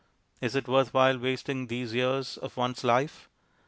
Is it worth while wasting these years of one's life?